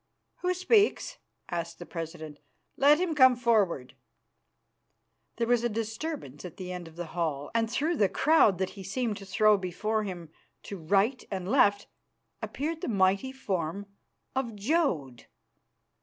"Who speaks?" asked the president. "Let him come forward." There was a disturbance at the end of the hall, and through the crowd that he seemed to throw before him to right and left appeared the mighty form of Jodd.